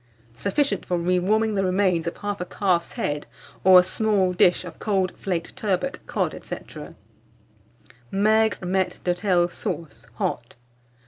Sufficient for re warming the remains of 1/2 calf's head, or a small dish of cold flaked turbot, cod, &c. MAIGRE MAITRE D'HOTEL SAUCE (HOT).